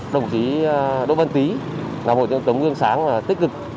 đồng chí đỗ vân tý là một trong những tấm gương sáng tích cực